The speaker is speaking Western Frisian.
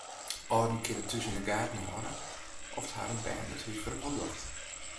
Alden kinne thús yn de gaten hâlde oft harren bern it húswurk wol docht.